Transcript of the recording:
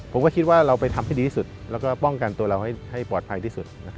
ผมก็คิดว่าเราไปทำให้ดีที่สุดแล้วก็ป้องกันตัวเราให้ปลอดภัยที่สุด